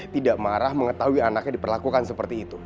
tidak marah mengetahui anaknya diperlakukan seperti itu